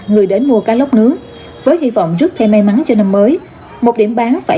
nên là hơi đông hơn